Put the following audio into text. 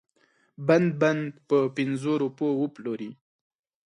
بند بند په پنځو روپو وپلوري.